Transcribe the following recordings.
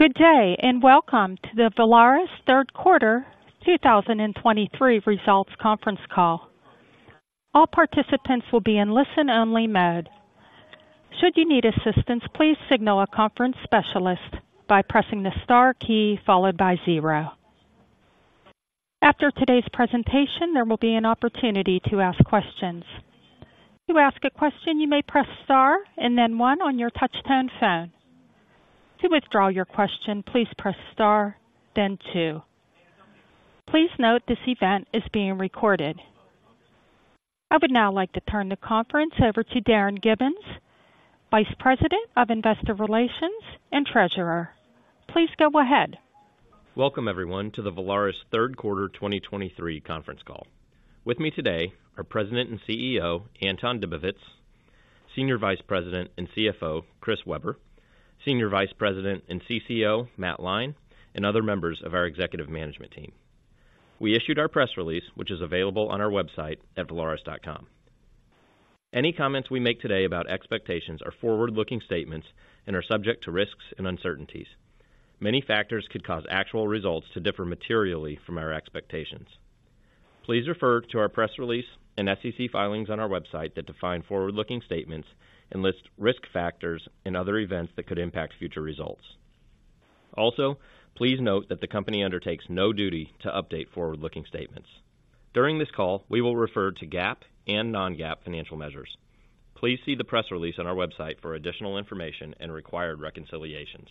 Good day, and welcome to the Valaris third quarter 2023 results conference call. All participants will be in listen-only mode. Should you need assistance, please signal a conference specialist by pressing the star key followed by zero. After today's presentation, there will be an opportunity to ask questions. To ask a question, you may press star and then one on your touchtone phone. To withdraw your question, please press star, then two. Please note this event is being recorded. I would now like to turn the conference over to Darin Gibbins, Vice President of Investor Relations and Treasurer. Please go ahead. Welcome, everyone, to the Valaris third quarter 2023 conference call. With me today are President and CEO, Anton Dibowitz, Senior Vice President and CFO, Chris Weber, Senior Vice President and CCO, Matt Lyne, and other members of our executive management team. We issued our press release, which is available on our website at valaris.com. Any comments we make today about expectations are forward-looking statements and are subject to risks and uncertainties. Many factors could cause actual results to differ materially from our expectations. Please refer to our press release and SEC filings on our website that define forward-looking statements and list risk factors and other events that could impact future results. Also, please note that the company undertakes no duty to update forward-looking statements. During this call, we will refer to GAAP and non-GAAP financial measures. Please see the press release on our website for additional information and required reconciliations.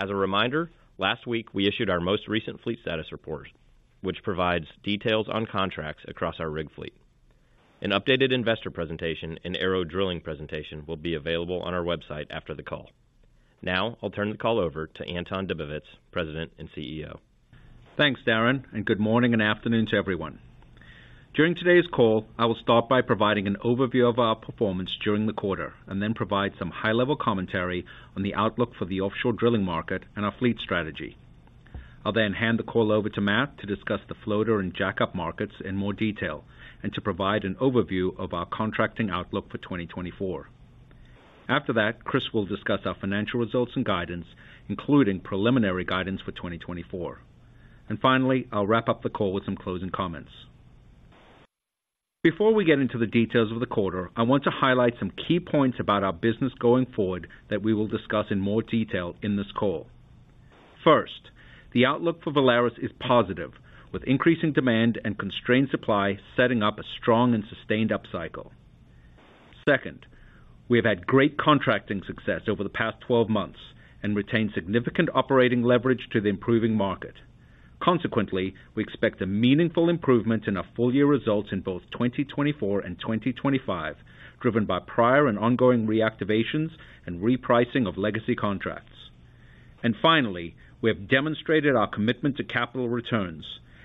As a reminder, last week, we issued our most recent fleet status report, which provides details on contracts across our rig fleet. An updated investor presentation and ARO Drilling presentation will be available on our website after the call. Now I'll turn the call over to Anton Dibowitz, President and CEO. Thanks, Darin, and good morning and afternoon to everyone. During today's call, I will start by providing an overview of our performance during the quarter and then provide some high-level commentary on the outlook for the offshore drilling market and our fleet strategy. I'll then hand the call over to Matt to discuss the floater and jackup markets in more detail and to provide an overview of our contracting outlook for 2024. After that, Chris will discuss our financial results and guidance, including preliminary guidance for 2024. And finally, I'll wrap up the call with some closing comments. Before we get into the details of the quarter, I want to highlight some key points about our business going forward that we will discuss in more detail in this call. First, the outlook for Valaris is positive, with increasing demand and constrained supply setting up a strong and sustained upcycle. Second, we have had great contracting success over the past 12 months and retained significant operating leverage to the improving market. Consequently, we expect a meaningful improvement in our full-year results in both 2024 and 2025, driven by prior and ongoing reactivations and repricing of legacy contracts. And finally, we have demonstrated our commitment to capital returns,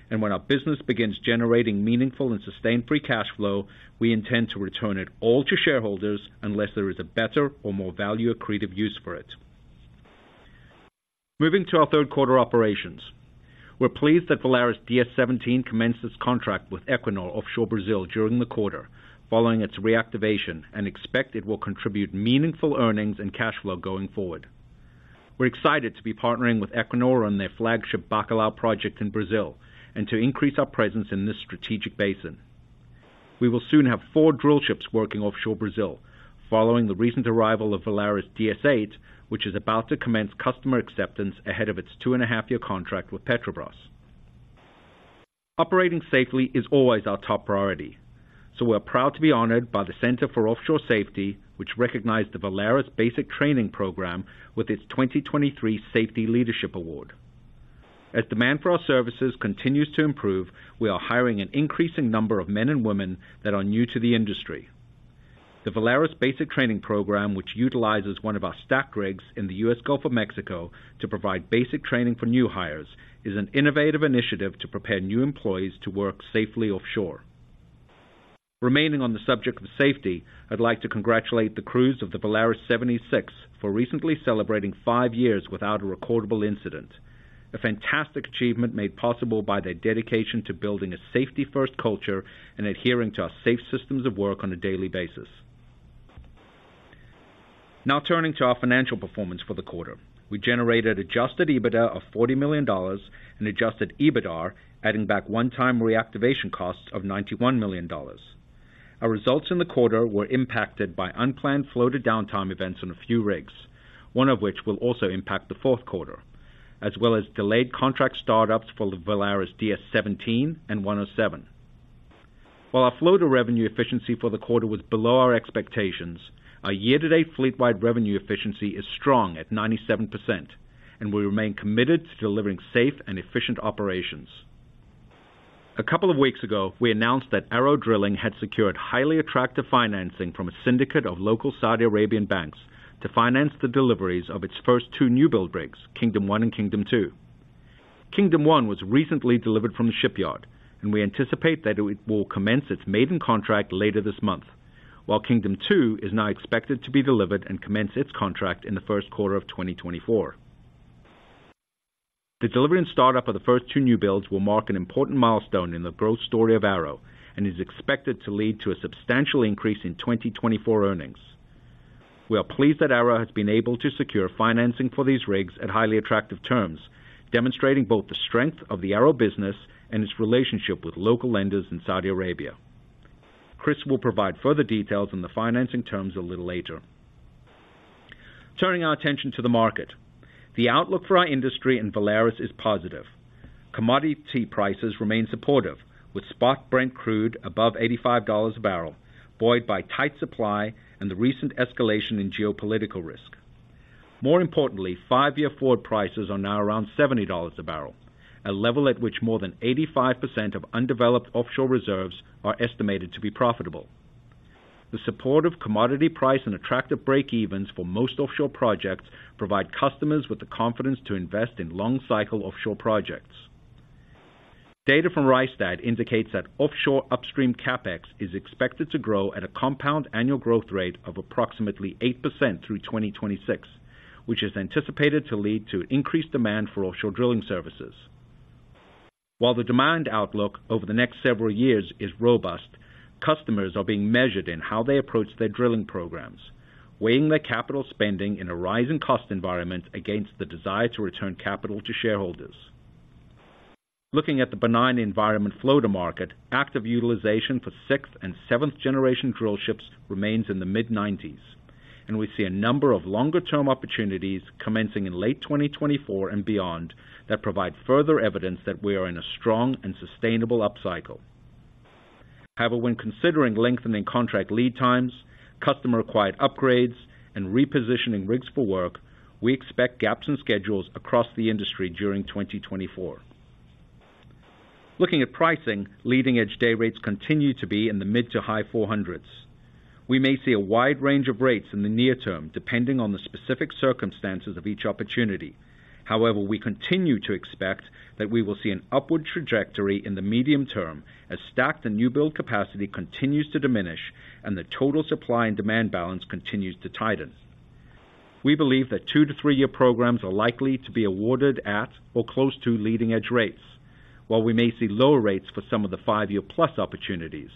and when our business begins generating meaningful and sustained free cash flow, we intend to return it all to shareholders unless there is a better or more value accretive use for it. Moving to our third quarter operations. We're pleased that Valaris DS-17 commenced its contract with Equinor offshore Brazil during the quarter, following its reactivation, and expect it will contribute meaningful earnings and cash flow going forward. We're excited to be partnering with Equinor on their flagship Bacalhau project in Brazil and to increase our presence in this strategic basin. We will soon have four drillships working offshore Brazil, following the recent arrival of Valaris DS-8, which is about to commence customer acceptance ahead of its 2.5-year contract with Petrobras. Operating safely is always our top priority, so we are proud to be honored by the Center for Offshore Safety, which recognized the Valaris Basic Training Program with its 2023 Safety Leadership Award. As demand for our services continues to improve, we are hiring an increasing number of men and women that are new to the industry. The Valaris Basic Training Program, which utilizes one of our stacked rigs in the U.S. Gulf of Mexico to provide basic training for new hires, is an innovative initiative to prepare new employees to work safely offshore. Remaining on the subject of safety, I'd like to congratulate the crews of the Valaris 76 for recently celebrating five years without a recordable incident, a fantastic achievement made possible by their dedication to building a safety-first culture and adhering to our safe systems of work on a daily basis. Now, turning to our financial performance for the quarter. We generated Adjusted EBITDA of $40 million and Adjusted EBITDAR, adding back one-time reactivation costs of $91 million. Our results in the quarter were impacted by unplanned floater downtime events on a few rigs, one of which will also impact the fourth quarter, as well as delayed contract startups for the Valaris DS-17 and 107. While our floater revenue efficiency for the quarter was below our expectations, our year-to-date fleet-wide revenue efficiency is strong at 97%, and we remain committed to delivering safe and efficient operations. A couple of weeks ago, we announced that ARO Drilling had secured highly attractive financing from a syndicate of local Saudi Arabian banks to finance the deliveries of its first two newbuild rigs, Kingdom 1 and Kingdom 2. Kingdom 1 was recently delivered from the shipyard, and we anticipate that it will commence its maiden contract later this month, while Kingdom 2 is now expected to be delivered and commence its contract in the first quarter of 2024. The delivery and startup of the first two new builds will mark an important milestone in the growth story of ARO, and is expected to lead to a substantial increase in 2024 earnings. We are pleased that ARO has been able to secure financing for these rigs at highly attractive terms, demonstrating both the strength of the ARO business and its relationship with local lenders in Saudi Arabia. Chris will provide further details on the financing terms a little later. Turning our attention to the market, the outlook for our industry in Valaris is positive. Commodity prices remain supportive, with spot Brent crude above $85 a barrel, buoyed by tight supply and the recent escalation in geopolitical risk. More importantly, five-year forward prices are now around $70 a barrel, a level at which more than 85% of undeveloped offshore reserves are estimated to be profitable. The supportive commodity price and attractive breakevens for most offshore projects provide customers with the confidence to invest in long-cycle offshore projects. Data from Rystad indicates that offshore upstream CapEx is expected to grow at a compound annual growth rate of approximately 8% through 2026, which is anticipated to lead to increased demand for offshore drilling services. While the demand outlook over the next several years is robust, customers are being measured in how they approach their drilling programs, weighing their capital spending in a rising cost environment against the desire to return capital to shareholders. Looking at the benign environment floater market, active utilization for sixth and seventh generation drill ships remains in the mid-90s, and we see a number of longer-term opportunities commencing in late 2024 and beyond, that provide further evidence that we are in a strong and sustainable upcycle. However, when considering lengthening contract lead times, customer-required upgrades, and repositioning rigs for work, we expect gaps in schedules across the industry during 2024. Looking at pricing, leading-edge day rates continue to be in the mid- to high $400s. We may see a wide range of rates in the near term, depending on the specific circumstances of each opportunity. However, we continue to expect that we will see an upward trajectory in the medium term as stacked and newbuild capacity continues to diminish, and the total supply and demand balance continues to tighten. We believe that two to three-year programs are likely to be awarded at or close to leading-edge rates, while we may see lower rates for some of the five-year-plus opportunities,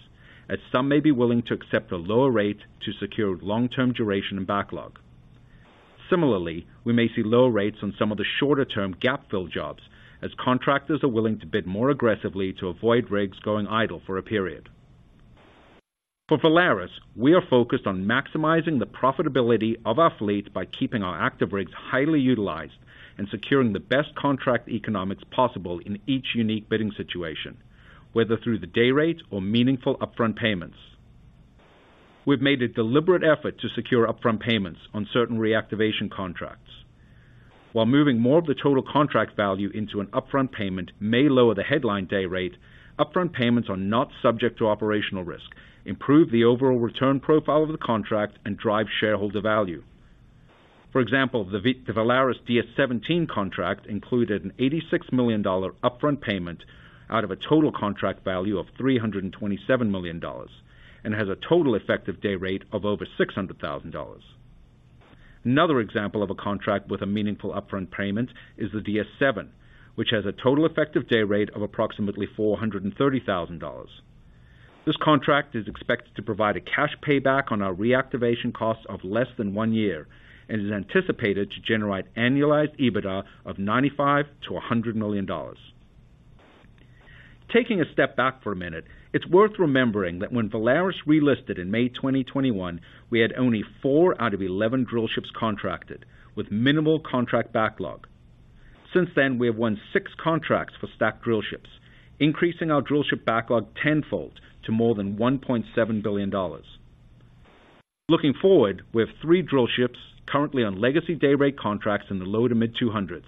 as some may be willing to accept a lower rate to secure long-term duration and backlog. Similarly, we may see lower rates on some of the shorter-term gap-fill jobs, as contractors are willing to bid more aggressively to avoid rigs going idle for a period. For Valaris, we are focused on maximizing the profitability of our fleet by keeping our active rigs highly utilized, and securing the best contract economics possible in each unique bidding situation, whether through the day rate or meaningful upfront payments. We've made a deliberate effort to secure upfront payments on certain reactivation contracts. While moving more of the total contract value into an upfront payment may lower the headline day rate, upfront payments are not subject to operational risk, improve the overall return profile of the contract, and drive shareholder value. For example, the Valaris DS-17 contract included an $86 million upfront payment out of a total contract value of $327 million, and has a total effective day rate of over $600,000. Another example of a contract with a meaningful upfront payment is the DS-7, which has a total effective day rate of approximately $430,000. This contract is expected to provide a cash payback on our reactivation cost of less than 1 year, and is anticipated to generate annualized EBITDA of $95 million-$100 million. Taking a step back for a minute, it's worth remembering that when Valaris relisted in May 2021, we had only 4 out of 11 drillships contracted, with minimal contract backlog. Since then, we have won 6 contracts for stacked drillships, increasing our drillship backlog tenfold to more than $1.7 billion. Looking forward, we have 3 drillships currently on legacy day rate contracts in the low to mid-200s,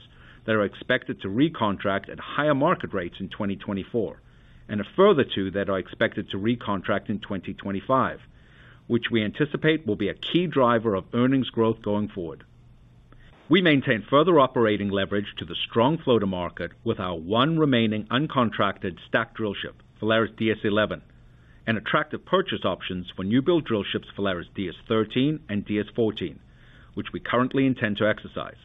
that are expected to recontract at higher market rates in 2024, and a further 2 that are expected to recontract in 2025, which we anticipate will be a key driver of earnings growth going forward. We maintain further operating leverage to the strong floater market with our one remaining uncontracted stacked drillship, Valaris DS-11, and attractive purchase options for newbuild drillships, Valaris DS-13 and DS-14, which we currently intend to exercise.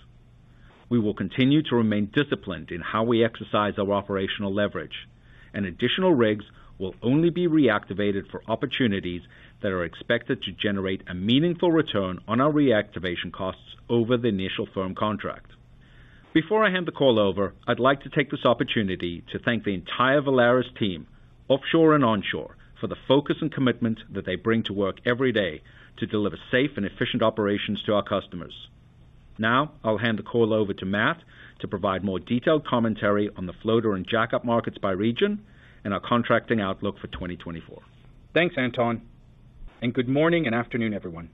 We will continue to remain disciplined in how we exercise our operational leverage. Additional rigs will only be reactivated for opportunities that are expected to generate a meaningful return on our reactivation costs over the initial firm contract. Before I hand the call over, I'd like to take this opportunity to thank the entire Valaris team, offshore and onshore, for the focus and commitment that they bring to work every day to deliver safe and efficient operations to our customers. Now, I'll hand the call over to Matt to provide more detailed commentary on the floater and jackup markets by region and our contracting outlook for 2024. Thanks, Anton, and good morning and afternoon, everyone.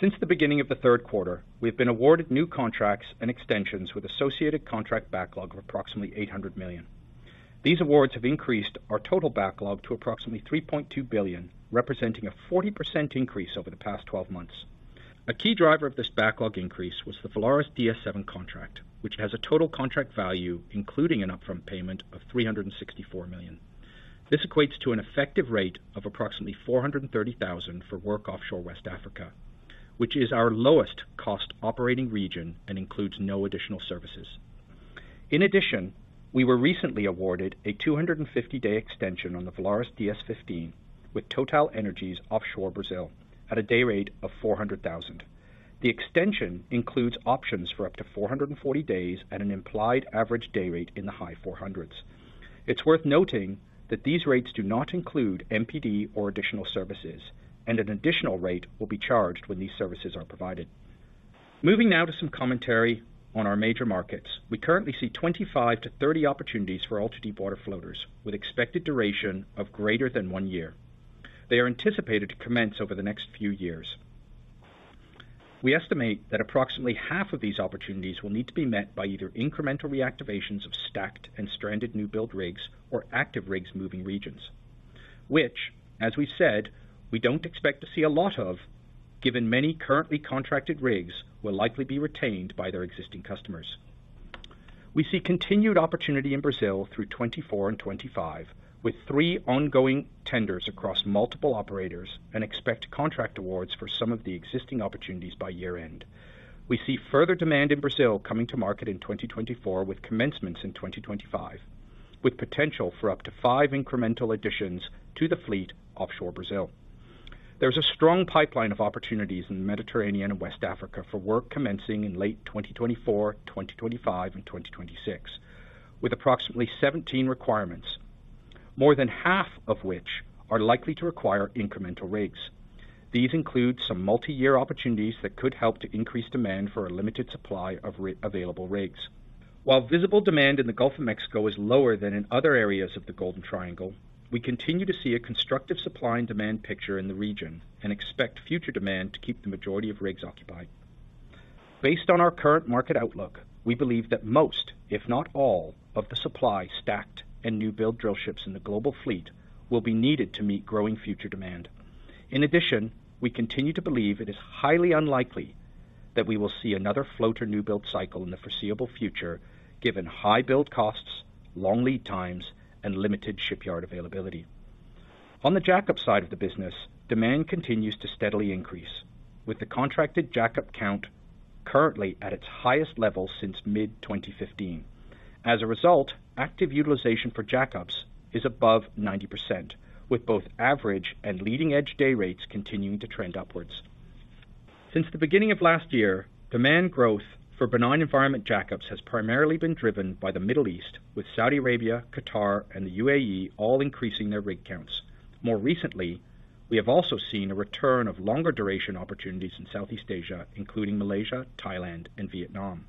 Since the beginning of the third quarter, we have been awarded new contracts and extensions with associated contract backlog of approximately $800 million. These awards have increased our total backlog to approximately $3.2 billion, representing a 40% increase over the past 12 months. A key driver of this backlog increase was the Valaris DS-7 contract, which has a total contract value, including an upfront payment of $364 million.... This equates to an effective rate of approximately $430,000 for work offshore West Africa, which is our lowest cost operating region and includes no additional services. In addition, we were recently awarded a 250-day extension on the Valaris DS-15, with TotalEnergies offshore Brazil at a day rate of $400,000. The extension includes options for up to 440 days at an implied average day rate in the high 400s. It's worth noting that these rates do not include MPD or additional services, and an additional rate will be charged when these services are provided. Moving now to some commentary on our major markets. We currently see 25-30 opportunities for ultra-deepwater floaters, with expected duration of greater than 1 year. They are anticipated to commence over the next few years. We estimate that approximately half of these opportunities will need to be met by either incremental reactivations of stacked and stranded newbuild rigs or active rigs moving regions, which, as we said, we don't expect to see a lot of, given many currently contracted rigs will likely be retained by their existing customers. We see continued opportunity in Brazil through 2024 and 2025, with 3 ongoing tenders across multiple operators, and expect contract awards for some of the existing opportunities by year-end. We see further demand in Brazil coming to market in 2024, with commencements in 2025, with potential for up to 5 incremental additions to the fleet offshore Brazil. There's a strong pipeline of opportunities in the Mediterranean and West Africa for work commencing in late 2024, 2025 and 2026, with approximately 17 requirements, more than half of which are likely to require incremental rigs. These include some multiyear opportunities that could help to increase demand for a limited supply of available rigs. While visible demand in the Gulf of Mexico is lower than in other areas of the Golden Triangle, we continue to see a constructive supply and demand picture in the region and expect future demand to keep the majority of rigs occupied. Based on our current market outlook, we believe that most, if not all, of the supply, stacked and new build drillships in the global fleet will be needed to meet growing future demand. In addition, we continue to believe it is highly unlikely that we will see another floater newbuild cycle in the foreseeable future, given high build costs, long lead times, and limited shipyard availability. On the jackup side of the business, demand continues to steadily increase, with the contracted jackup count currently at its highest level since mid-2015. As a result, active utilization for jackups is above 90%, with both average and leading-edge day rates continuing to trend upwards. Since the beginning of last year, demand growth for benign environment jackups has primarily been driven by the Middle East, with Saudi Arabia, Qatar, and the UAE all increasing their rig counts. More recently, we have also seen a return of longer duration opportunities in Southeast Asia, including Malaysia, Thailand and Vietnam.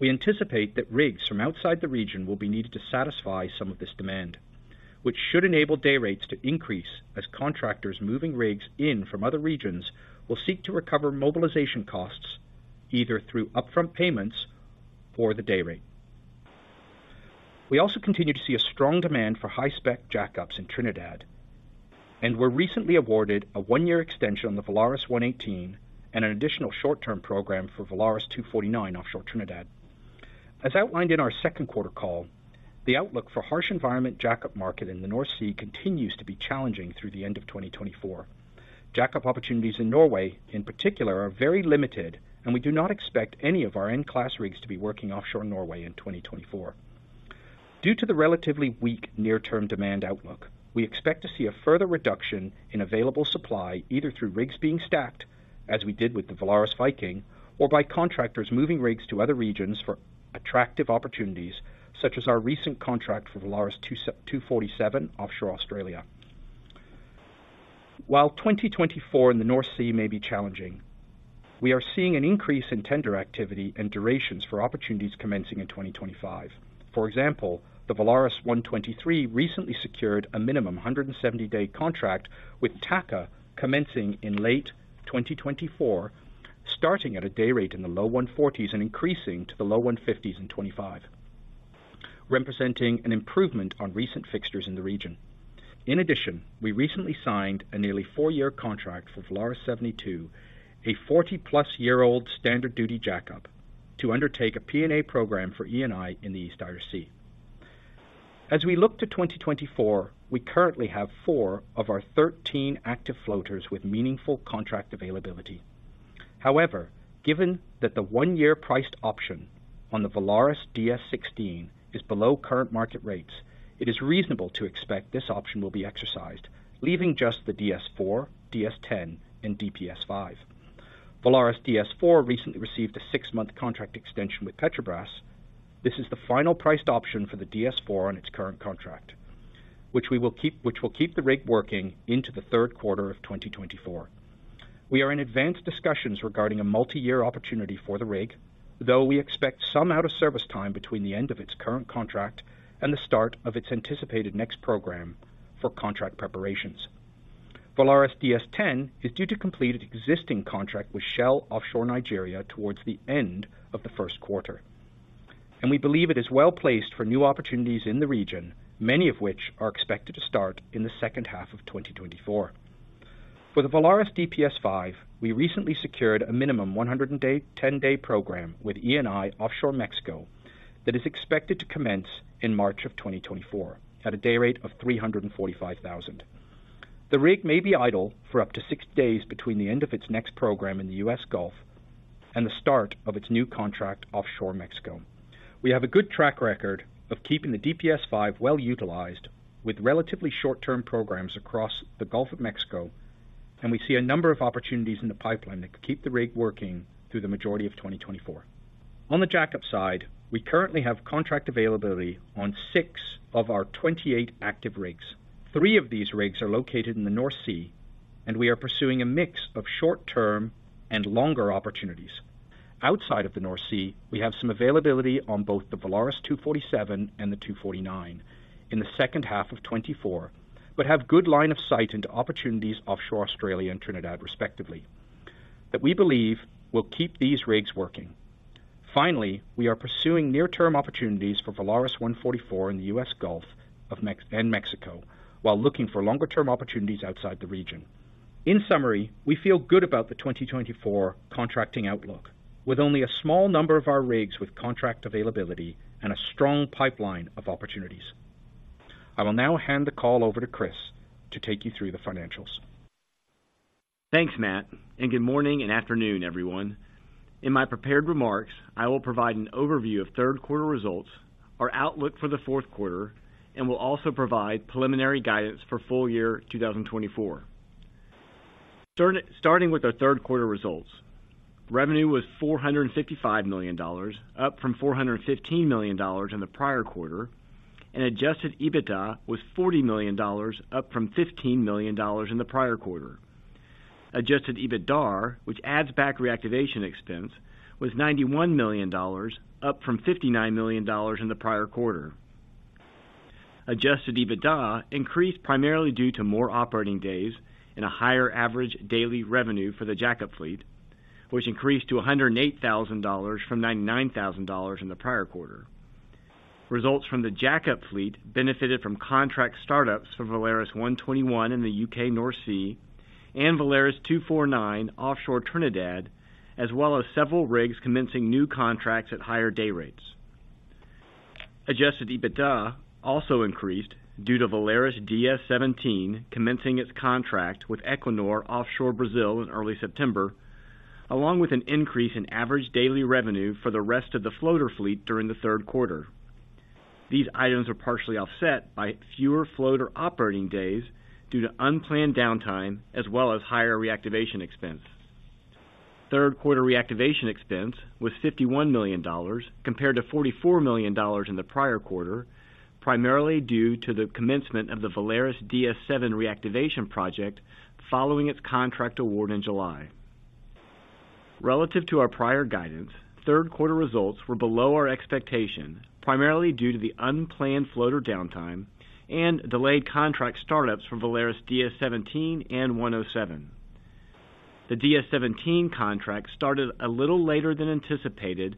We anticipate that rigs from outside the region will be needed to satisfy some of this demand, which should enable day rates to increase as contractors moving rigs in from other regions will seek to recover mobilization costs, either through upfront payments or the day rate. We also continue to see a strong demand for high-spec jackups in Trinidad, and were recently awarded a one-year extension on the Valaris 118 and an additional short-term program for Valaris 249 offshore Trinidad. As outlined in our second quarter call, the outlook for harsh environment jackup market in the North Sea continues to be challenging through the end of 2024. Jackup opportunities in Norway in particular are very limited and we do not expect any of our in-class rigs to be working offshore Norway in 2024. Due to the relatively weak near-term demand outlook, we expect to see a further reduction in available supply, either through rigs being stacked, as we did with the Valaris Viking, or by contractors moving rigs to other regions for attractive opportunities, such as our recent contract for Valaris 247 offshore Australia. While 2024 in the North Sea may be challenging, we are seeing an increase in tender activity and durations for opportunities commencing in 2025. For example, the Valaris 123 recently secured a minimum 170-day contract with TAQA, commencing in late 2024, starting at a day rate in the low $140s and increasing to the low $150s in 2025, representing an improvement on recent fixtures in the region. In addition, we recently signed a nearly 4-year contract for Valaris 72, a 40+-year-old standard duty jackup, to undertake a P&A program for Eni in the East Irish Sea. As we look to 2024, we currently have 4 of our 13 active floaters with meaningful contract availability. However, given that the 1-year priced option on the Valaris DS-16 is below current market rates, it is reasonable to expect this option will be exercised, leaving just the Valaris DS-4, Valaris DS-10, and Valaris DPS-5. Valaris DS-4 recently received a 6-month contract extension with Petrobras. This is the final priced option for the Valaris DS-4 on its current contract, which will keep the rig working into the third quarter of 2024. We are in advanced discussions regarding a multi-year opportunity for the rig, though we expect some out of service time between the end of its current contract and the start of its anticipated next program for contract preparations. Valaris DS-10 is due to complete its existing contract with Shell offshore Nigeria toward the end of the first quarter, and we believe it is well-placed for new opportunities in the region, many of which are expected to start in the second half of 2024. For the Valaris DPS-5, we recently secured a minimum 100-day, 10-day program with Eni offshore Mexico that is expected to commence in March 2024 at a day rate of $345,000. The rig may be idle for up to six days between the end of its next program in the U.S. Gulf and the start of its new contract offshore Mexico. We have a good track record of keeping the DPS-5 well-utilized with relatively short-term programs across the Gulf of Mexico, and we see a number of opportunities in the pipeline that could keep the rig working through the majority of 2024. On the jackup side, we currently have contract availability on six of our 28 active rigs. Three of these rigs are located in the North Sea, and we are pursuing a mix of short-term and longer opportunities. Outside of the North Sea, we have some availability on both the Valaris 247 and the 249 in the second half of 2024, but have good line of sight into opportunities offshore Australia and Trinidad, respectively, that we believe will keep these rigs working. Finally, we are pursuing near-term opportunities for Valaris 144 in the US Gulf of Mexico and Mexico, while looking for longer-term opportunities outside the region. In summary, we feel good about the 2024 contracting outlook, with only a small number of our rigs with contract availability and a strong pipeline of opportunities. I will now hand the call over to Chris to take you through the financials. Thanks, Matt, and good morning and afternoon, everyone. In my prepared remarks, I will provide an overview of third quarter results, our outlook for the fourth quarter, and will also provide preliminary guidance for full year 2024. Starting with our third quarter results. Revenue was $455 million, up from $415 million in the prior quarter, and adjusted EBITDA was $40 million, up from $15 million in the prior quarter. Adjusted EBITDAR, which adds back reactivation expense, was $91 million, up from $59 million in the prior quarter. Adjusted EBITDA increased primarily due to more operating days and a higher average daily revenue for the jackup fleet, which increased to $108,000 from $99,000 in the prior quarter. Results from the jackup fleet benefited from contract startups for Valaris 121 in the UK North Sea and Valaris 249 offshore Trinidad, as well as several rigs commencing new contracts at higher day rates. Adjusted EBITDA also increased due to Valaris DS-17 commencing its contract with Equinor offshore Brazil in early September, along with an increase in average daily revenue for the rest of the floater fleet during the third quarter. These items are partially offset by fewer floater operating days due to unplanned downtime, as well as higher reactivation expense. Third quarter reactivation expense was $51 million, compared to $44 million in the prior quarter, primarily due to the commencement of the Valaris DS-7 reactivation project following its contract award in July. Relative to our prior guidance, third quarter results were below our expectation, primarily due to the unplanned floater downtime and delayed contract startups from Valaris DS-17 and 107. The DS-17 contract started a little later than anticipated,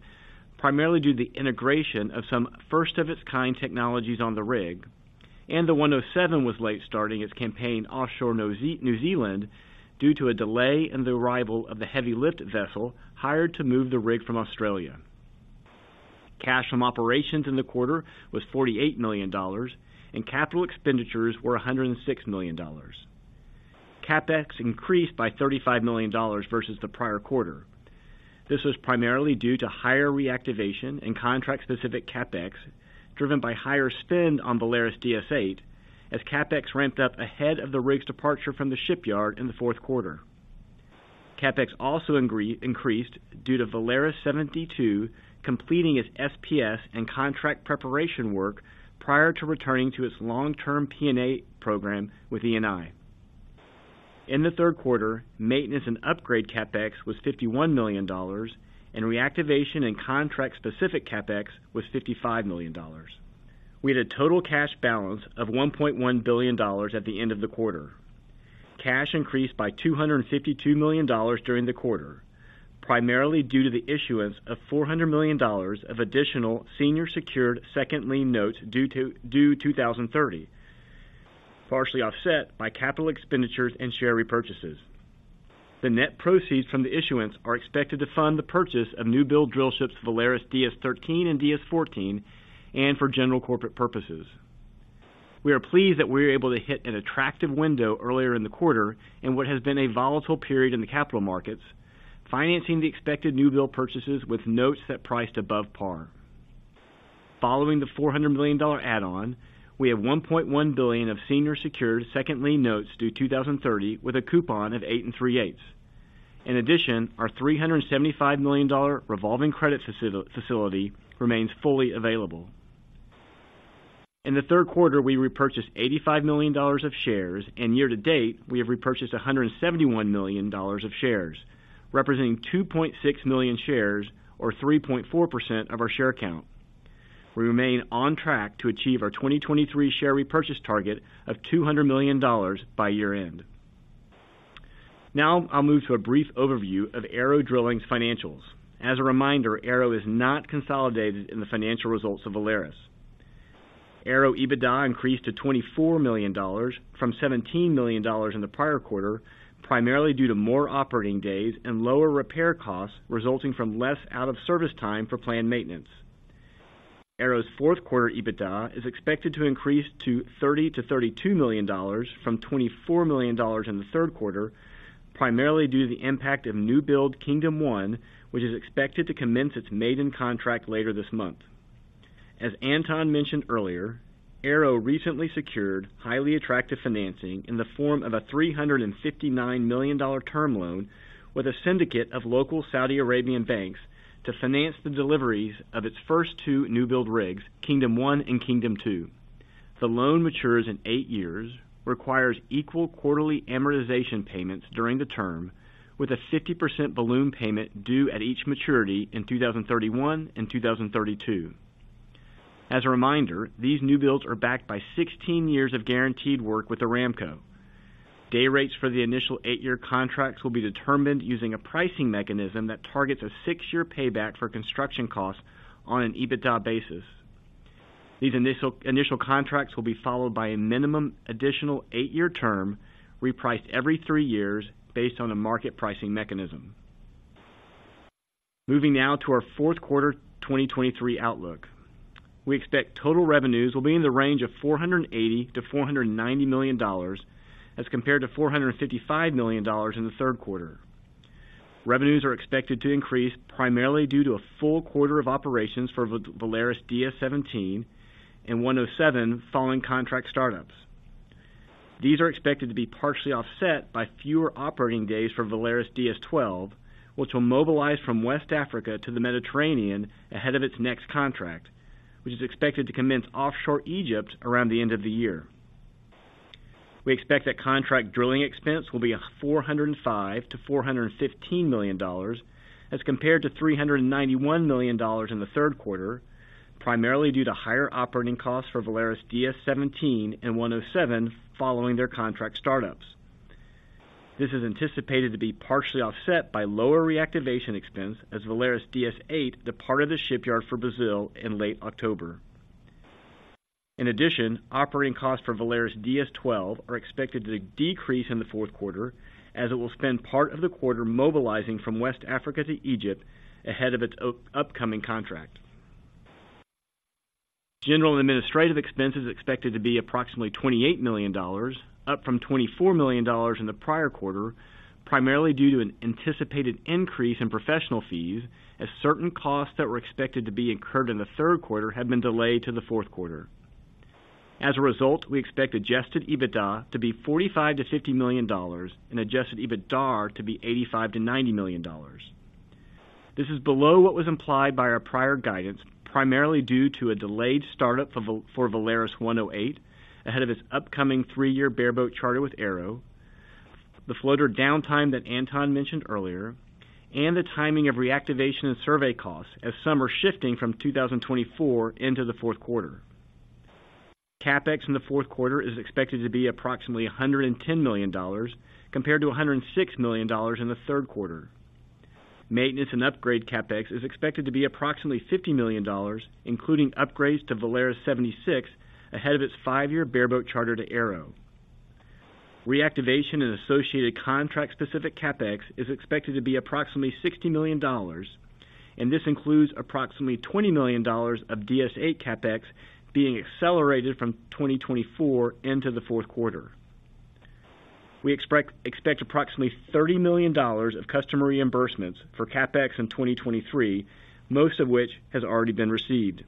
primarily due to the integration of some first-of-its-kind technologies on the rig, and the 107 was late starting its campaign offshore New Zealand due to a delay in the arrival of the heavy lift vessel hired to move the rig from Australia. Cash from operations in the quarter was $48 million, and capital expenditures were $106 million. CapEx increased by $35 million versus the prior quarter. This was primarily due to higher reactivation and contract-specific CapEx, driven by higher spend on Valaris DS-8, as CapEx ramped up ahead of the rig's departure from the shipyard in the fourth quarter. CapEx also increased due to Valaris 72 completing its SPS and contract preparation work prior to returning to its long-term P&A program with Eni. In the third quarter, maintenance and upgrade CapEx was $51 million, and reactivation and contract-specific CapEx was $55 million. We had a total cash balance of $1.1 billion at the end of the quarter. Cash increased by $252 million during the quarter, primarily due to the issuance of $400 million of additional senior secured second lien notes due 2030, partially offset by capital expenditures and share repurchases. The net proceeds from the issuance are expected to fund the purchase of newbuild drillships, Valaris DS-13 and DS-14, and for general corporate purposes. We are pleased that we were able to hit an attractive window earlier in the quarter, in what has been a volatile period in the capital markets, financing the expected new build purchases with notes that priced above par. Following the $400 million add-on, we have $1.1 billion of senior secured second lien notes due 2030, with a coupon of 8 3/8%. In addition, our $375 million revolving credit facility remains fully available. In the third quarter, we repurchased $85 million of shares, and year to date, we have repurchased $171 million of shares, representing 2.6 million shares or 3.4% of our share count. We remain on track to achieve our 2023 share repurchase target of $200 million by year-end. Now I'll move to a brief overview of ARO Drilling's financials. As a reminder, ARO is not consolidated in the financial results of Valaris. ARO EBITDA increased to $24 million from $17 million in the prior quarter, primarily due to more operating days and lower repair costs resulting from less out-of-service time for planned maintenance. ARO's fourth quarter EBITDA is expected to increase to $30-$32 million from $24 million in the third quarter, primarily due to the impact of new build Kingdom 1, which is expected to commence its maiden contract later this month. As Anton mentioned earlier, ARO recently secured highly attractive financing in the form of a $359 million term loan with a syndicate of local Saudi Arabian banks to finance the deliveries of its first two new build rigs, Kingdom 1 and Kingdom 2. The loan matures in 8 years, requires equal quarterly amortization payments during the term, with a 50% balloon payment due at each maturity in 2031 and 2032. As a reminder, these new builds are backed by 16 years of guaranteed work with Aramco. Day rates for the initial 8-year contracts will be determined using a pricing mechanism that targets a 6-year payback for construction costs on an EBITDA basis. These initial, initial contracts will be followed by a minimum additional 8-year term, repriced every 3 years based on a market pricing mechanism. Moving now to our fourth quarter 2023 outlook. We expect total revenues will be in the range of $480-$490 million, as compared to $455 million in the third quarter. Revenues are expected to increase, primarily due to a full quarter of operations for Valaris DS-17 and Valaris 107 following contract startups. These are expected to be partially offset by fewer operating days for Valaris DS-12, which will mobilize from West Africa to the Mediterranean ahead of its next contract, which is expected to commence offshore Egypt around the end of the year. We expect that contract drilling expense will be $405 million-$415 million, as compared to $391 million in the third quarter, primarily due to higher operating costs for Valaris DS-17 and Valaris 107 following their contract startups. This is anticipated to be partially offset by lower reactivation expense as Valaris DS-8 departed the shipyard for Brazil in late October. In addition, operating costs for Valaris DS-12 are expected to decrease in the fourth quarter as it will spend part of the quarter mobilizing from West Africa to Egypt ahead of its upcoming contract. General and administrative expenses is expected to be approximately $28 million, up from $24 million in the prior quarter, primarily due to an anticipated increase in professional fees as certain costs that were expected to be incurred in the third quarter have been delayed to the fourth quarter. As a result, we expect adjusted EBITDA to be $45 million-$50 million and adjusted EBITDA to be $85 million-$90 million. This is below what was implied by our prior guidance, primarily due to a delayed startup for Valaris 108, ahead of its upcoming three-year bareboat charter with ARO, the floater downtime that Anton mentioned earlier, and the timing of reactivation and survey costs as some are shifting from 2024 into the fourth quarter. CapEx in the fourth quarter is expected to be approximately $110 million, compared to $106 million in the third quarter. Maintenance and upgrade CapEx is expected to be approximately $50 million, including upgrades to Valaris 76, ahead of its five-year bareboat charter to Arrow. Reactivation and associated contract-specific CapEx is expected to be approximately $60 million, and this includes approximately $20 million of DS-8 CapEx being accelerated from 2024 into the fourth quarter. We expect approximately $30 million of customer reimbursements for CapEx in 2023, most of which has already been received.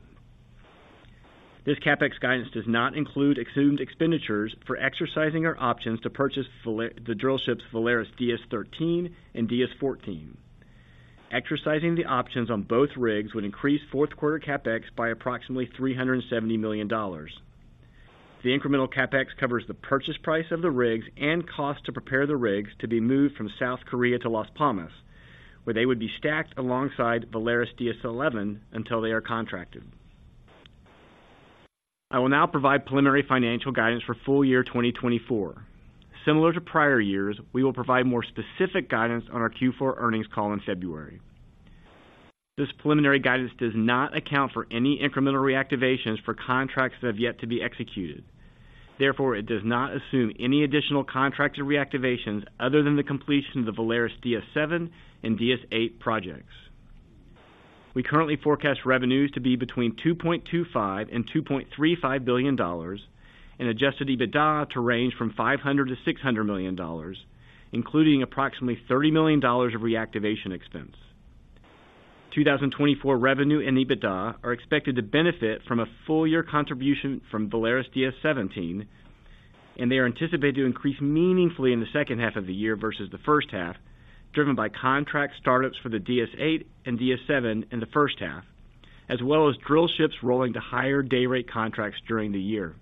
This CapEx guidance does not include assumed expenditures for exercising our options to purchase Valaris the drillships Valaris DS-13 and DS-14. Exercising the options on both rigs would increase fourth quarter CapEx by approximately $370 million. The incremental CapEx covers the purchase price of the rigs and costs to prepare the rigs to be moved from South Korea to Las Palmas, where they would be stacked alongside Valaris DS-11 until they are contracted. I will now provide preliminary financial guidance for full year 2024. Similar to prior years, we will provide more specific guidance on our Q4 earnings call in February. This preliminary guidance does not account for any incremental reactivations for contracts that have yet to be executed. Therefore, it does not assume any additional contracts or reactivations other than the completion of the Valaris DS-7 and DS-8 projects. We currently forecast revenues to be between $2.25 billion and $2.35 billion, and Adjusted EBITDA to range from $500 million to $600 million, including approximately $30 million of reactivation expense. 2024 revenue and EBITDA are expected to benefit from a full year contribution from Valaris DS-17, and they are anticipated to increase meaningfully in the second half of the year versus the first half, driven by contract startups for the DS-8 and DS-7 in the first half, as well as drillships rolling to higher day rate contracts during the year.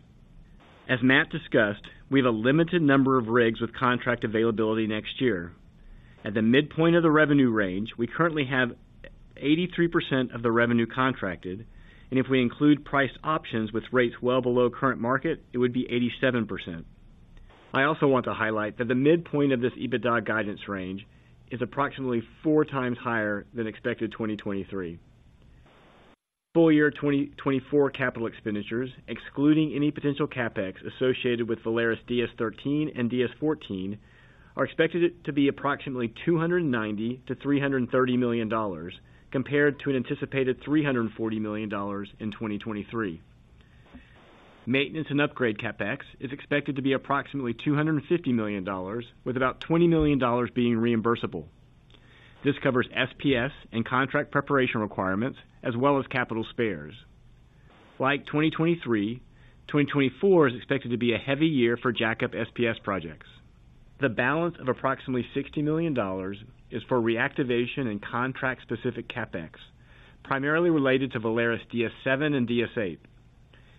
As Matt discussed, we have a limited number of rigs with contract availability next year. At the midpoint of the revenue range, we currently have 83% of the revenue contracted, and if we include priced options with rates well below current market, it would be 87%.... I also want to highlight that the midpoint of this EBITDA guidance range is approximately four times higher than expected 2023. Full year 2024 capital expenditures, excluding any potential CapEx associated with Valaris DS-13 and DS-14, are expected to be approximately $290 million-$330 million, compared to an anticipated $340 million in 2023. Maintenance and upgrade CapEx is expected to be approximately $250 million, with about $20 million being reimbursable. This covers SPS and contract preparation requirements, as well as capital spares. Like 2023, 2024 is expected to be a heavy year for jackup SPS projects. The balance of approximately $60 million is for reactivation and contract-specific CapEx, primarily related to Valaris DS-7 and DS-8.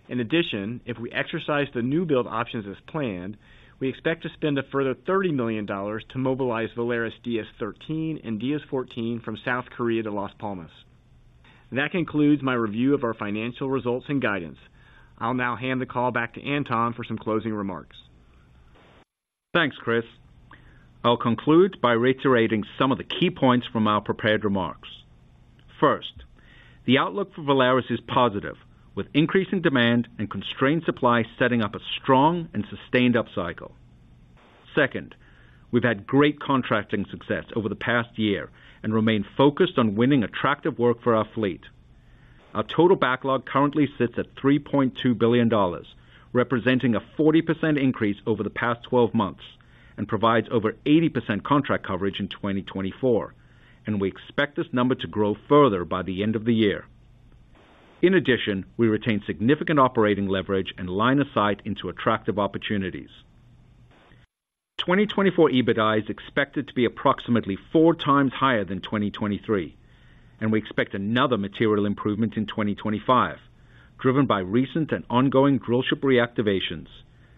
In addition, if we exercise the new build options as planned, we expect to spend a further $30 million to mobilize Valaris DS-13 and DS-14 from South Korea to Las Palmas. That concludes my review of our financial results and guidance. I'll now hand the call back to Anton for some closing remarks. Thanks, Chris. I'll conclude by reiterating some of the key points from our prepared remarks. First, the outlook for Valaris is positive, with increasing demand and constrained supply setting up a strong and sustained upcycle. Second, we've had great contracting success over the past year and remain focused on winning attractive work for our fleet. Our total backlog currently sits at $3.2 billion, representing a 40% increase over the past 12 months, and provides over 80% contract coverage in 2024, and we expect this number to grow further by the end of the year. In addition, we retain significant operating leverage and line of sight into attractive opportunities. 2024 EBITDA is expected to be approximately 4 times higher than 2023, and we expect another material improvement in 2025, driven by recent and ongoing drillship reactivations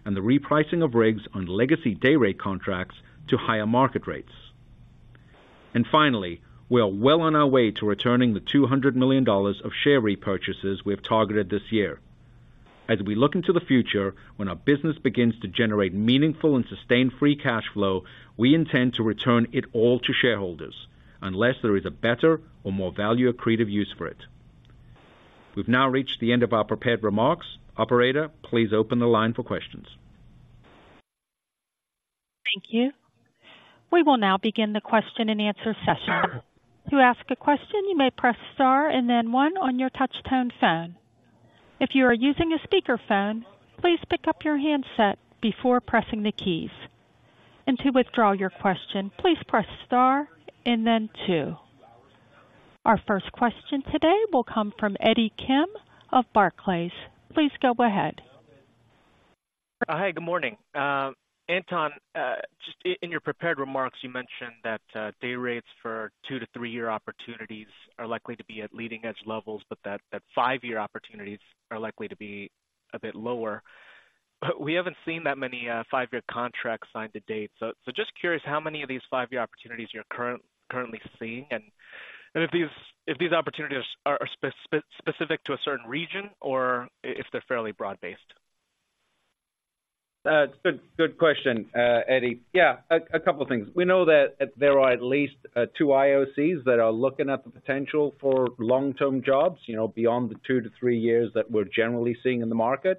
and the repricing of rigs on legacy dayrate contracts to higher market rates. And finally, we are well on our way to returning the $200 million of share repurchases we have targeted this year. As we look into the future, when our business begins to generate meaningful and sustained free cash flow, we intend to return it all to shareholders, unless there is a better or more value accretive use for it. We've now reached the end of our prepared remarks. Operator, please open the line for questions. Thank you. We will now begin the question-and-answer session. To ask a question, you may press star and then one on your touchtone phone. If you are using a speakerphone, please pick up your handset before pressing the keys. To withdraw your question, please press star and then two. Our first question today will come from Eddie Kim of Barclays. Please go ahead. Hi, good morning. Anton, just in your prepared remarks, you mentioned that day rates for 2- to 3-year opportunities are likely to be at leading-edge levels, but that five-year opportunities are likely to be a bit lower. But we haven't seen that many five-year contracts signed to date. So, just curious, how many of these five-year opportunities you're currently seeing, and if these opportunities are specific to a certain region or if they're fairly broad-based? Good question, Eddie. Yeah, a couple of things. We know that there are at least two IOCs that are looking at the potential for long-term jobs, you know, beyond the 2-3 years that we're generally seeing in the market.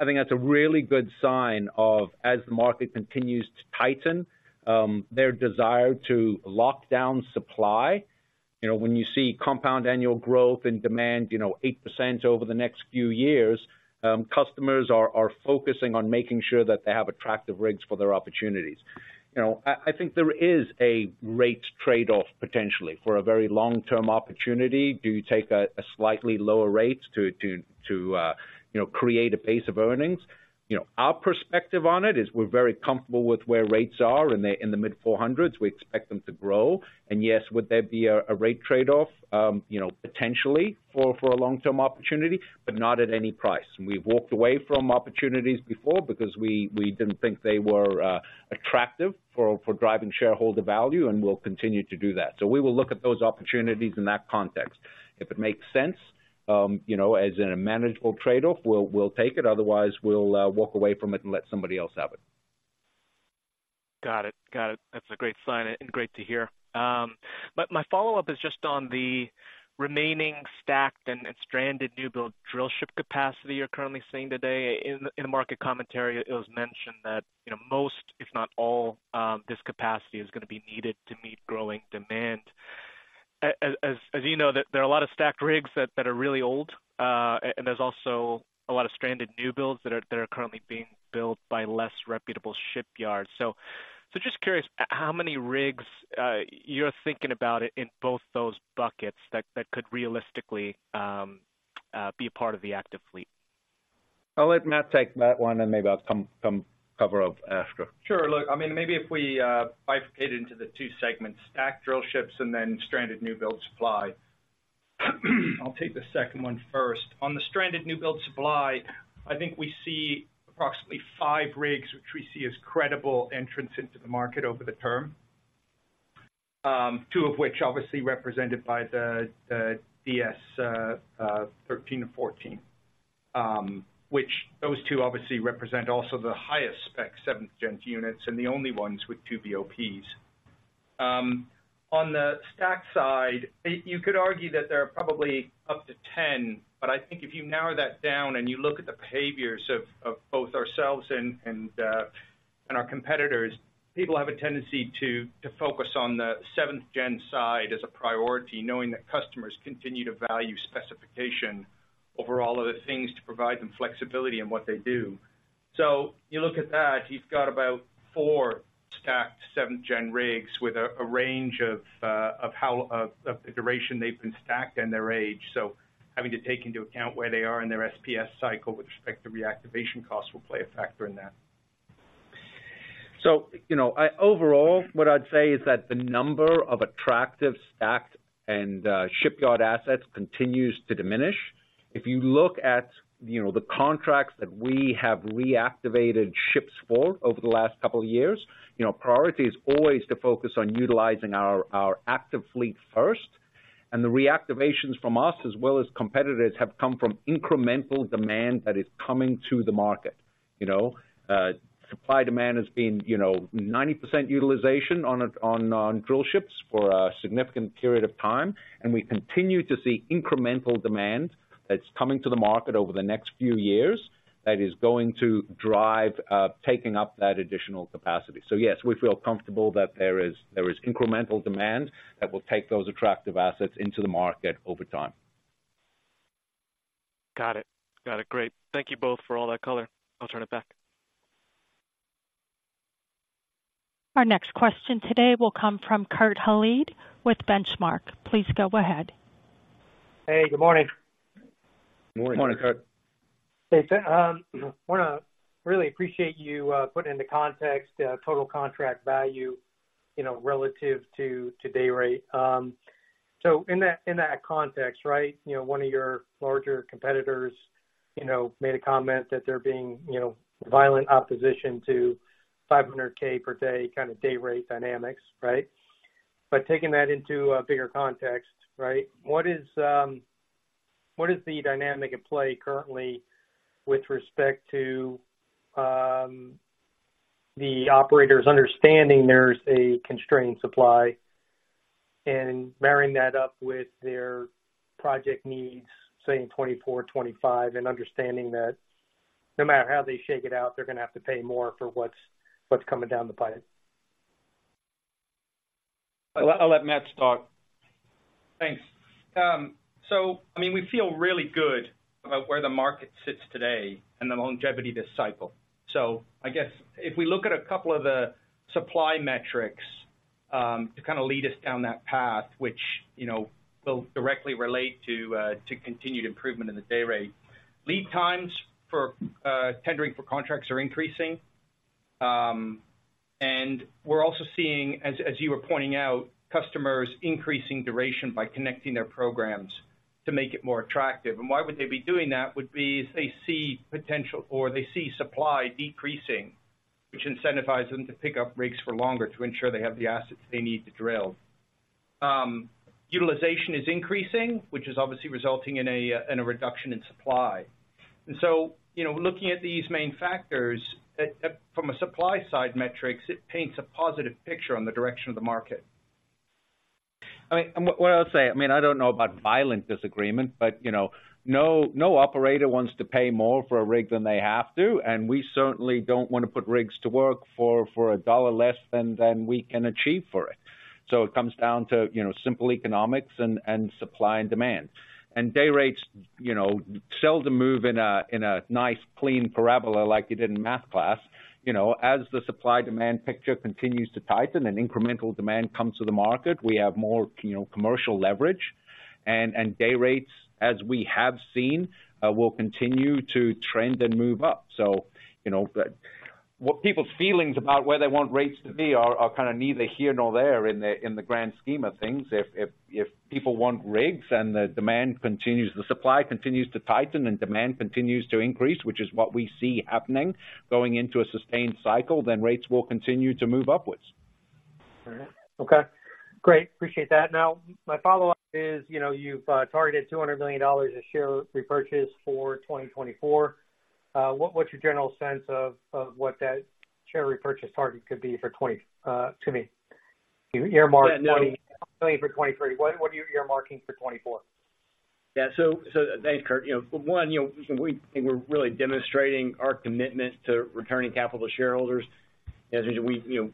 I think that's a really good sign of, as the market continues to tighten, their desire to lock down supply. You know, when you see compound annual growth and demand, you know, 8% over the next few years, customers are focusing on making sure that they have attractive rigs for their opportunities. You know, I think there is a rate trade-off potentially for a very long-term opportunity. Do you take a slightly lower rate to you know, create a base of earnings? You know, our perspective on it is we're very comfortable with where rates are in the mid-$400s. We expect them to grow. And yes, would there be a rate trade-off? You know, potentially for a long-term opportunity, but not at any price. And we've walked away from opportunities before because we didn't think they were attractive for driving shareholder value, and we'll continue to do that. So we will look at those opportunities in that context. If it makes sense, you know, as in a manageable trade-off, we'll take it. Otherwise, we'll walk away from it and let somebody else have it. Got it. Got it. That's a great sign and great to hear. But my follow-up is just on the remaining stacked and stranded newbuild drillship capacity you're currently seeing today. In the market commentary, it was mentioned that, you know, most, if not all, this capacity is going to be needed to meet growing demand. As you know, there are a lot of stacked rigs that are really old, and there's also a lot of stranded newbuilds that are currently being built by less reputable shipyards. So just curious, how many rigs you're thinking about in both those buckets that could realistically be a part of the active fleet? I'll let Matt take that one, and maybe I'll come cover up after. Sure. Look, I mean, maybe if we bifurcate into the two segments, stacked drillships and then stranded newbuild supply. I'll take the second one first. On the stranded newbuild supply, I think we see approximately 5 rigs, which we see as credible entrants into the market over the term. Two of which obviously represented by the DS-13 or DS-14, which those two obviously represent also the highest spec seventh-gen units and the only ones with two BOPs. On the stack side, you could argue that there are probably up to 10, but I think if you narrow that down and you look at the behaviors of both ourselves and our competitors, people have a tendency to focus on the 7th-gen side as a priority, knowing that customers continue to value specification over all other things, to provide them flexibility in what they do. So you look at that, you've got about 4 stacked 7th-gen rigs with a range of the duration they've been stacked and their age. So having to take into account where they are in their SPS cycle with respect to reactivation costs will play a factor in that. So, you know, overall, what I'd say is that the number of attractive stacked and shipyard assets continues to diminish. If you look at, you know, the contracts that we have reactivated ships for over the last couple of years, you know, priority is always to focus on utilizing our active fleet first, and the reactivations from us, as well as competitors, have come from incremental demand that is coming to the market. You know, supply-demand has been, you know, 90% utilization on drillships for a significant period of time, and we continue to see incremental demand that's coming to the market over the next few years that is going to drive taking up that additional capacity. So yes, we feel comfortable that there is incremental demand that will take those attractive assets into the market over time. Got it. Got it. Great. Thank you both for all that color. I'll turn it back. Our next question today will come from Kurt Hallead with Benchmark. Please go ahead. Hey, good morning. Morning, Kurt. Morning. Hey, wanna really appreciate you putting into context total contract value, you know, relative to day rate. So in that context, right, you know, one of your larger competitors, you know, made a comment that they're being violent opposition to $500K per day kind of day rate dynamics, right? But taking that into a bigger context, right, what is the dynamic at play currently with respect to the operators understanding there's a constrained supply and marrying that up with their project needs, saying 2024, 2025, and understanding that no matter how they shake it out, they're gonna have to pay more for what's coming down the pipe? I'll let Matt talk. Thanks. I mean, we feel really good about where the market sits today and the longevity of this cycle. I guess if we look at a couple of the supply metrics to kind of lead us down that path, which, you know, will directly relate to continued improvement in the day rate. Lead times for tendering for contracts are increasing. We're also seeing, as you were pointing out, customers increasing duration by connecting their programs to make it more attractive. Why would they be doing that? Would be if they see potential or they see supply decreasing, which incentivizes them to pick up rigs for longer to ensure they have the assets they need to drill. Utilization is increasing, which is obviously resulting in a reduction in supply. And so, you know, looking at these main factors, from a supply side metrics, it paints a positive picture on the direction of the market. I mean, what I'll say, I mean, I don't know about violent disagreement, but, you know, no, no operator wants to pay more for a rig than they have to, and we certainly don't want to put rigs to work for a dollar less than we can achieve for it. So it comes down to, you know, simple economics and supply and demand. And day rates, you know, seldom move in a nice, clean parabola like you did in math class. You know, as the supply-demand picture continues to tighten and incremental demand comes to the market, we have more, you know, commercial leverage, and day rates, as we have seen, will continue to trend and move up. So, you know, what people's feelings about where they want rates to be are kind of neither here nor there in the grand scheme of things. If people want rigs and the demand continues, the supply continues to tighten and demand continues to increase, which is what we see happening, going into a sustained cycle, then rates will continue to move upwards. All right. Okay, great. Appreciate that. Now, my follow-up is, you know, you've targeted $200 million of share repurchase for 2024. What, what's your general sense of, of what that share repurchase target could be for 20, excuse me, you earmark 20 million for 2023. What, what are you earmarking for 2024? Yeah, thanks, Kurt. You know, one, you know, we think we're really demonstrating our commitment to returning capital to shareholders. As we, you know,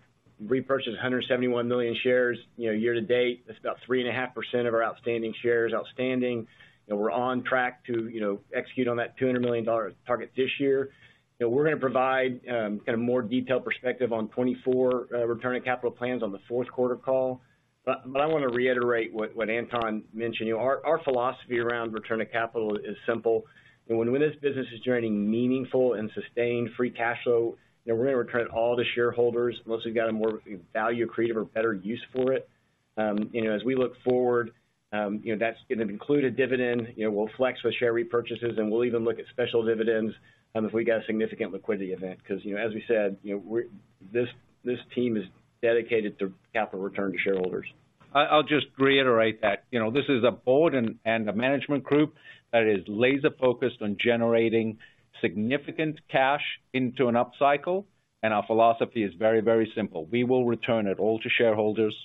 repurchased 171 million shares, you know, year to date, that's about 3.5% of our outstanding shares outstanding. You know, we're on track to, you know, execute on that $200 million target this year. You know, we're gonna provide kind of more detailed perspective on 2024 return of capital plans on the fourth quarter call. But I want to reiterate what Anton mentioned. You know, our philosophy around return of capital is simple. When this business is generating meaningful and sustained free cash flow, then we're going to return it all to shareholders, unless we've got a more value creative or better use for it.... You know, as we look forward, you know, that's going to include a dividend. You know, we'll flex with share repurchases, and we'll even look at special dividends, if we get a significant liquidity event, because, you know, as we said, you know, we're -- this team is dedicated to capital return to shareholders. I'll just reiterate that. You know, this is a board and a management group that is laser-focused on generating significant cash into an upcycle, and our philosophy is very, very simple. We will return it all to shareholders,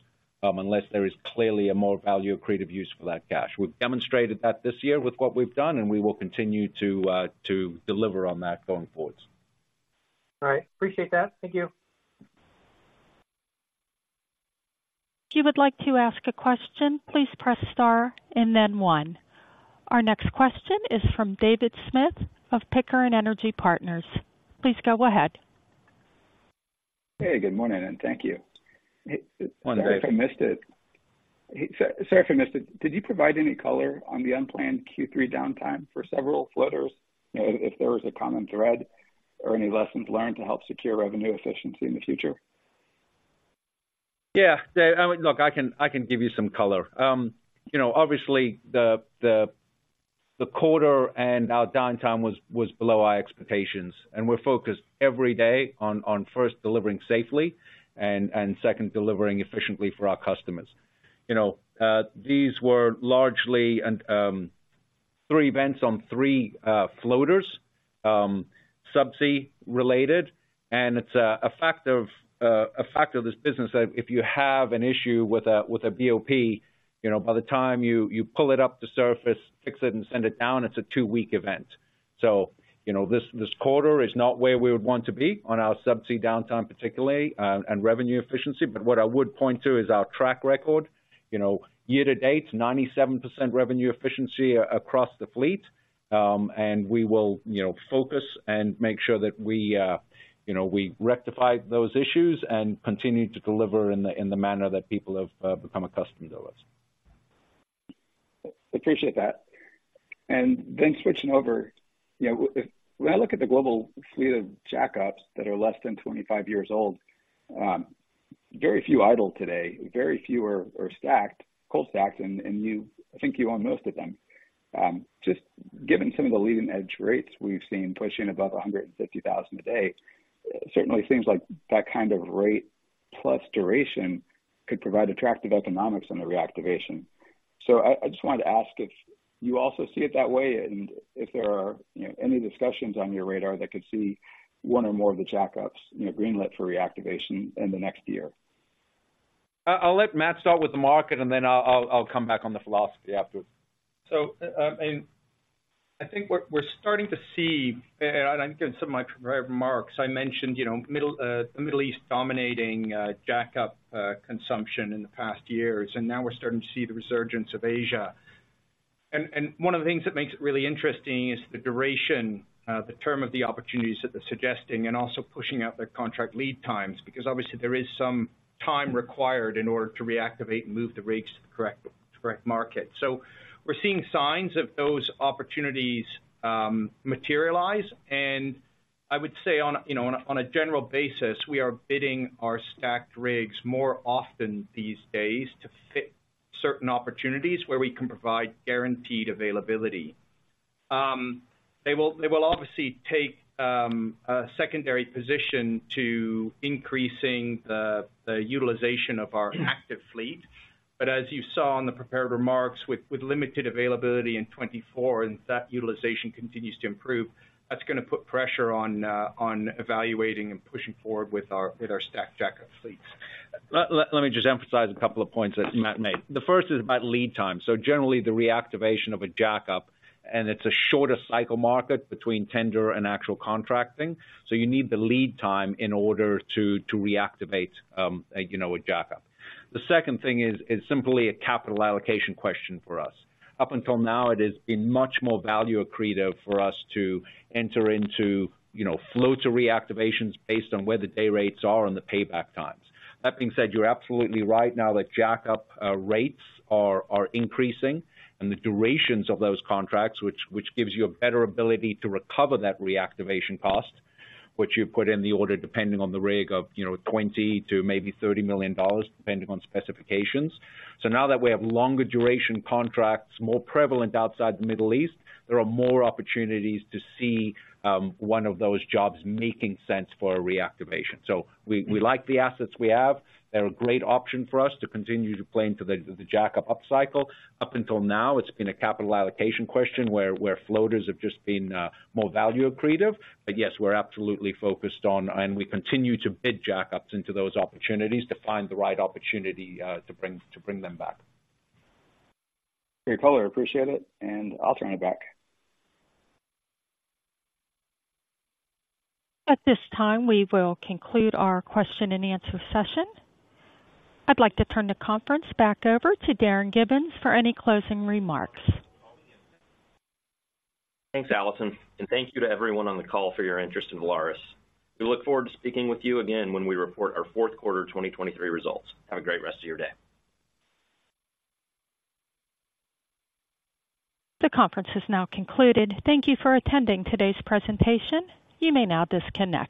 unless there is clearly a more value-accretive use for that cash. We've demonstrated that this year with what we've done, and we will continue to deliver on that going forward. All right. Appreciate that. Thank you. If you would like to ask a question, please press star and then one. Our next question is from David Smith of Pickering Energy Partners. Please go ahead. Hey, good morning, and thank you. Morning, Dave. I missed it. Sorry if I missed it. Did you provide any color on the unplanned Q3 downtime for several floaters? If there was a common thread or any lessons learned to help secure revenue efficiency in the future? Yeah, Dave, I mean, look, I can give you some color. You know, obviously, the quarter and our downtime was below our expectations, and we're focused every day on first delivering safely and second, delivering efficiently for our customers. You know, these were largely 3 events on 3 floaters, subsea related, and it's a fact of this business that if you have an issue with a BOP, you know, by the time you pull it up the surface, fix it, and send it down, it's a 2-week event. So, you know, this quarter is not where we would want to be on our subsea downtime particularly, and revenue efficiency, but what I would point to is our track record. You know, year to date, 97% revenue efficiency across the fleet. We will, you know, focus and make sure that we, you know, we rectify those issues and continue to deliver in the manner that people have become accustomed to us. Appreciate that. And then switching over, you know, if when I look at the global fleet of jackups that are less than 25 years old, very few idle today, very few are, are stacked, cold stacked, and, and you... I think you own most of them. Just given some of the leading-edge rates we've seen pushing above $150,000 a day, certainly seems like that kind of rate plus duration could provide attractive economics on the reactivation. So I, I just wanted to ask if you also see it that way, and if there are, you know, any discussions on your radar that could see one or more of the jackups, you know, greenlit for reactivation in the next year? I'll let Matt start with the market, and then I'll come back on the philosophy afterwards. So, and I think what we're starting to see, and, and in some of my prepared remarks, I mentioned, you know, the Middle East dominating jackup consumption in the past years, and now we're starting to see the resurgence of Asia. And, and one of the things that makes it really interesting is the duration, the term of the opportunities that they're suggesting and also pushing out their contract lead times, because obviously there is some time required in order to reactivate and move the rigs to the correct, correct market. So we're seeing signs of those opportunities materialize, and I would say on a, you know, on a, on a general basis, we are bidding our stacked rigs more often these days to fit certain opportunities where we can provide guaranteed availability. They will, they will obviously take a secondary position to increasing the utilization of our active fleet. But as you saw on the prepared remarks, with limited availability in 2024, and that utilization continues to improve, that's gonna put pressure on evaluating and pushing forward with our stacked jackup fleets. Let me just emphasize a couple of points that Matt made. The first is about lead time. So generally, the reactivation of a jackup, and it's a shorter cycle market between tender and actual contracting. So you need the lead time in order to reactivate, you know, a jackup. The second thing is simply a capital allocation question for us. Up until now, it has been much more value accretive for us to enter into, you know, floater reactivations based on where the day rates are and the payback times. That being said, you're absolutely right. Now that jackup rates are increasing and the durations of those contracts, which gives you a better ability to recover that reactivation cost, which you put in the order, depending on the rig of, you know, $20 million-$30 million, depending on specifications. So now that we have longer duration contracts, more prevalent outside the Middle East, there are more opportunities to see one of those jobs making sense for a reactivation. So we like the assets we have. They're a great option for us to continue to play into the jackup upcycle. Up until now, it's been a capital allocation question where floaters have just been more value accretive. But yes, we're absolutely focused on, and we continue to bid jackups into those opportunities to find the right opportunity to bring them back. Great color, appreciate it, and I'll turn it back. At this time, we will conclude our question and answer session. I'd like to turn the conference back over to Darin Gibbins for any closing remarks. Thanks, Allison, and thank you to everyone on the call for your interest in Valaris. We look forward to speaking with you again when we report our fourth quarter of 2023 results. Have a great rest of your day. The conference is now concluded. Thank you for attending today's presentation. You may now disconnect.